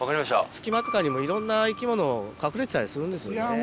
隙間とかにもいろんな生き物隠れてたりするんですよね。